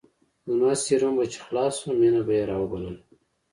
زما سيروم به چې خلاص سو مينه به يې راوبلله.